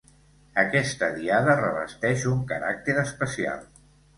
Aquesta diada revesteix un caràcter especial.